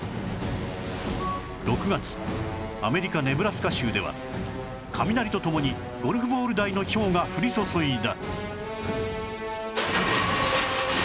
６月アメリカネブラスカ州では雷と共にゴルフボール大のひょうが降り注いだ